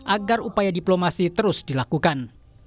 agar upaya diplomasi terus dilakukan